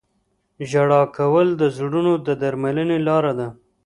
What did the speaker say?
• ژړا کول د زړونو د درملنې لاره ده.